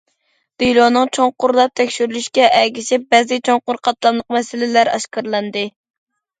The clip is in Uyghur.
دېلونىڭ چوڭقۇرلاپ تەكشۈرۈلۈشىگە ئەگىشىپ، بەزى چوڭقۇر قاتلاملىق مەسىلىلەر ئاشكارىلاندى.